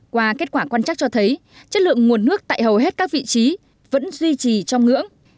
qua kết quả quan chắc cho thấy chất lượng nguồn nước tại hầu hết các vị trí vẫn duy trì trong ngưỡng